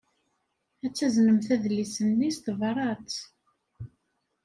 Ad taznemt adlis-nni s tebṛat.